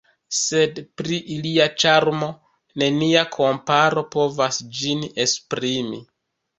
Sed pri ilia ĉarmo, nenia komparo povas ĝin esprimi.